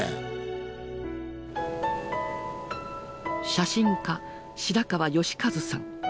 写真家白川義員さん。